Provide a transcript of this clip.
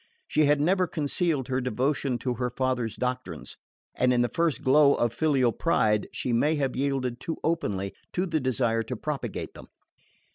She had never concealed her devotion to her father's doctrines, and in the first glow of filial pride she may have yielded too openly to the desire to propagate them.